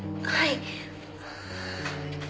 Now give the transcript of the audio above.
はい。